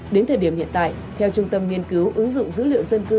đến thời điểm hiện tại theo trung tâm nghiên cứu ứng dụng dữ liệu dân cư